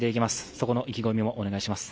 そこの意気込みもお願いします。